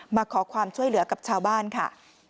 มาขอความช่วยเหลือกับชาวบ้านค่ะ